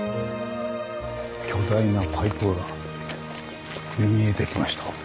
巨大なパイプが見えてきました。